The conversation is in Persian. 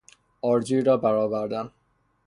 آرزویی را برآوردن